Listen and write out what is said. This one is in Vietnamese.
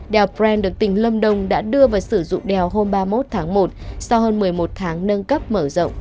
đèo pren được tỉnh lâm đồng đã đưa vào sử dụng đèo hôm ba mươi một tháng một sau hơn một mươi một tháng nâng cấp mở rộng